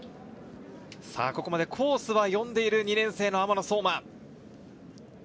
ここまでコースは読んでいる２年生の雨野颯真。